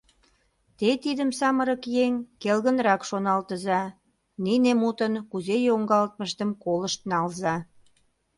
Те тидым, самырык еҥ, келгынрак шоналтыза, нине мутын кузе йоҥгалтмыштым колышт налза.